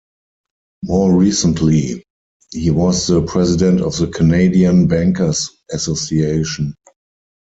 More recently, he was the President of the Canadian Bankers Association.